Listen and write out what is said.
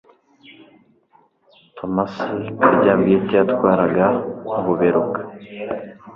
thomasi karyabwite yatwaraga ububeruka